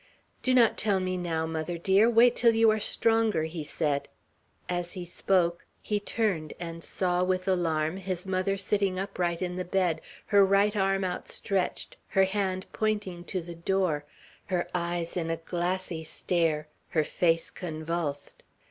"Do not tell me now, mother dear. Wait till you are stronger," he said. As he spoke, he turned, and saw, with alarm, his mother sitting upright in the bed, her right arm outstretched, her hand pointing to the door, her eyes in a glassy stare, her face convulsed.